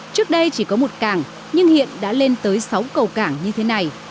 trước đây chỉ có một cảng nhưng hiện đã lên tới sáu cầu cảng như thế này